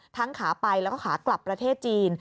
ขาไปแล้วก็ขากลับประเทศจีน